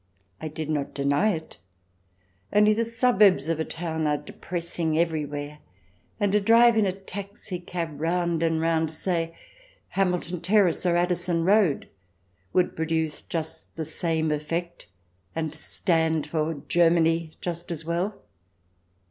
I did not deny it, only the suburbs of a town are depressing everywhere, and a drive in a taxicab round and round, say, Hamilton Terrace or Addison Road would produce just the same effect, and stand for Germany just as well.